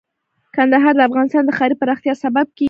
کندهار د افغانستان د ښاري پراختیا سبب کېږي.